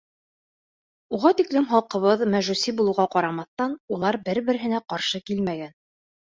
Уға тиклем халҡыбыҙ мәжүси булыуға ҡарамаҫтан, улар бер-береһенә ҡаршы килмәгән.